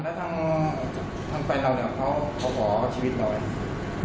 แล้วทางไปเราเขาขอชีวิตเราไง